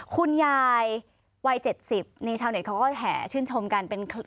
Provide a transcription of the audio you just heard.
คุณยายวัยเจ็ดสิบในชาวเน็ตเขาก็แถวชื่นชมกัน